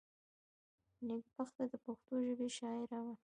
نېکبخته دپښتو ژبي شاعره وه.